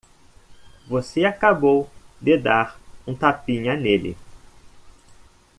Você acabou de dar um tapinha nele.